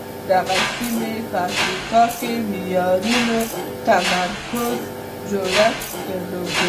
دغې سیمې پر افریقایي معیارونو متمرکز جوړښت درلود.